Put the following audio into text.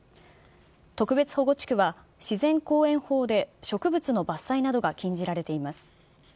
特別保護地区は、自然公園法で植物の伐採などが禁じられています。